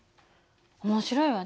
面白いわね。